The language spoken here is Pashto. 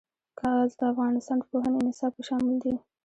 ګاز د افغانستان د پوهنې نصاب کې شامل دي.